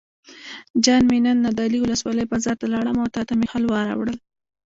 جان مې نن نادعلي ولسوالۍ بازار ته لاړم او تاته مې حلوا راوړل.